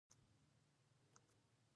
اوس د قلم د چلولو وخت دی.